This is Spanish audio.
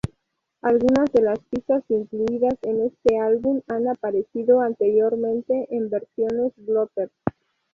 Algunas de las pistas incluidas en este álbum han aparecido anteriormente en versiones bootlegs.